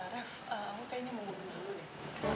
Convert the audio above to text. rev kamu kayaknya mau berbentang dulu ya